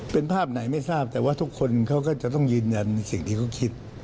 เป็นภาพไหนไม่ทราบแต่ว่าทุกคนเขาก็จะต้องยืนยันในสิ่งที่เขาคิด